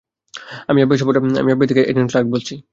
আমি এফবিআই থেকে agent Clark বলছি।